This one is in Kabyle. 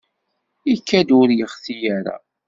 Ikad-d ur yeɣti ara.